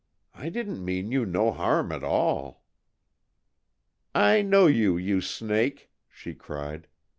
I didn't mean you no harm at all." "I know you, you snake!" she cried.